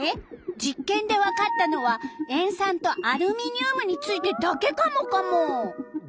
実験でわかったのは塩酸とアルミニウムについてだけカモカモ。